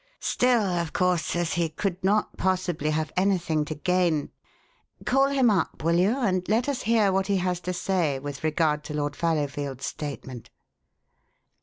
"Still, of course, as he could not possibly have anything to gain Call him up, will you, and let us hear what he has to say with regard to Lord Fallowfield's statement."